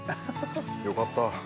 よかった。